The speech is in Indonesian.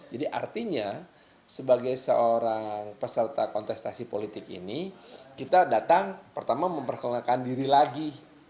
jadi artinya sebagai seorang peserta kontestasi politik ini kita datang pertama memperkenalkan diri lagi